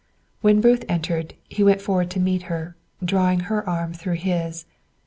When Ruth entered, he went forward to meet her, drawing her arm through his.